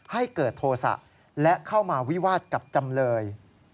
ให้เกิดโทษะและเข้ามาวิวาสกับจำเลย